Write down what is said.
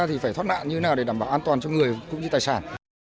thì phải thoát nạn như thế nào để đảm bảo an toàn cho người cũng như tài sản